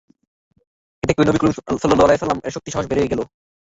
এতে করে নবী করীম সাল্লাল্লাহু আলাইহি ওয়াসাল্লাম-এর শক্তি সাহস বেড়ে গেল।